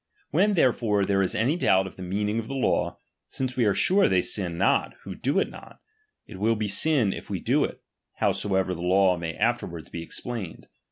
When therefore there is H any doubt of the meaning of the law, since we are H sure they sin not who do it not, it will be sin if H we do it, howsoever the law may afterward be H explained.